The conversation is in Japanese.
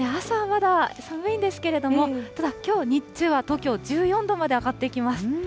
朝はまだ寒いんですけれども、ただきょう日中は１４度まで上がっていきます。